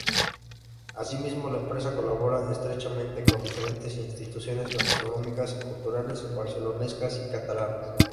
Asimismo, la empresa colabora estrechamente con diferentes instituciones gastronómicas y culturales barcelonesas y catalanas.